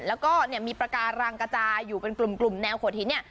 แล้วก็มีประการรางกระจายอยู่เป็นกลุ่มแนวขวดทิ้น